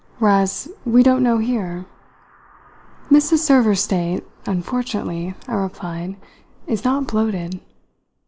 "Whereas we don't know here?" "Mrs. Server's state, unfortunately," I replied, "is not bloated."